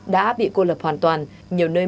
đã bị cô lập hoàn toàn nhiều nơi